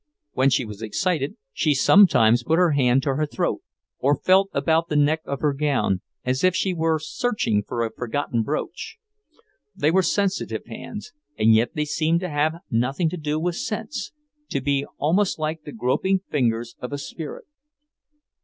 When she was excited she sometimes put her hand to her throat, or felt about the neck of her gown, as if she were searching for a forgotten brooch. They were sensitive hands, and yet they seemed to have nothing to do with sense, to be almost like the groping fingers of a spirit.